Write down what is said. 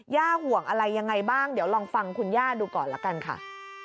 ห่วงอะไรยังไงบ้างเดี๋ยวลองฟังคุณย่าดูก่อนละกันค่ะ